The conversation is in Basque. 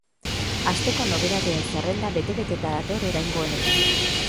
Asteko nobedadeen zerrenda bete-beteta dator oraingo honetan.